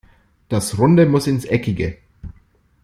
Das Runde muss ins Eckige.